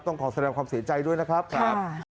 ต้องขอแสดงความเสียใจด้วยนะครับ